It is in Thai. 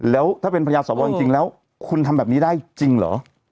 แล้วถ้าเป็นภรรยาสวจริงแล้วคุณทำแบบนี้ได้จริงเหรอ